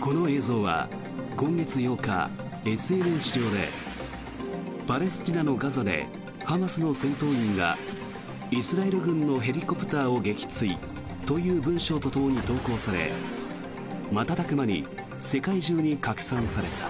この映像は今月８日、ＳＮＳ上でパレスチナのガザでハマスの戦闘員がイスラエル軍のヘリコプターを撃墜という文章とともに投稿され瞬く間に世界中に拡散された。